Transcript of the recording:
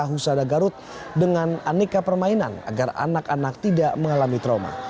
husada garut dengan aneka permainan agar anak anak tidak mengalami trauma